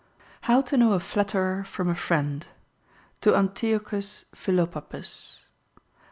HOW TO KNOW A FLATTERER FROM A FRIEND. To Antiochus Philopappus.